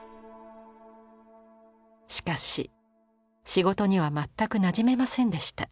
しかし仕事には全くなじめませんでした。